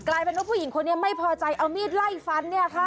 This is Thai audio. กลายเป็นว่าผู้หญิงคนนี้ไม่พอใจเอามีดไล่ฟันเนี่ยค่ะ